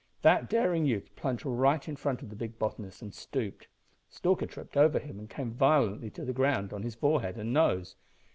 That daring youth plunged right in front of the big botanist and stooped. Stalker tripped over him and came violently to the ground on his forehead and nose.